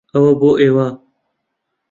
ئەوە بۆ ئێوە.